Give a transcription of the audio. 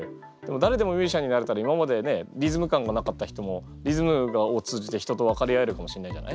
だれでもミュージシャンになれたら今までねリズム感がなかった人もリズムを通じて人と分かり合えるかもしれないじゃない？